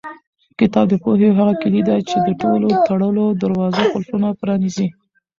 کتاب د پوهې هغه کلۍ ده چې د ټولو تړلو دروازو قلفونه پرانیزي.